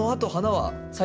はい。